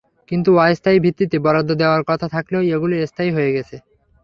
কিন্তু অস্থায়ী ভিত্তিতে বরাদ্দ দেওয়ার কথা থাকলেও এগুলো স্থায়ী হয়ে গেছে।